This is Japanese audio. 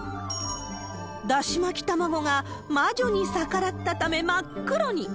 だし巻き卵が魔女に逆らったため、真っ黒に。